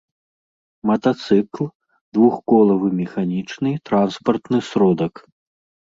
матацыкл — двухколавы механiчны транспартны сродак